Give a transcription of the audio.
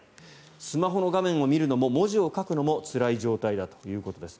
スマホの画面を見るのも文字を書くのもつらい状態だということです。